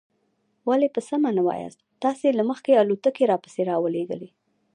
ولې په سمه نه وایاست؟ تاسې له مخکې الوتکې را پسې را ولېږلې.